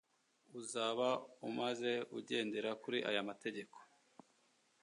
uzaba umaze ugendera kuri aya mategeko.